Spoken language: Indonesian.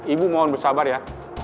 ibu mohon bersabar ya